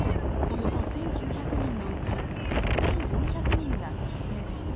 およそ１，９００人のうち１，４００人が女性です。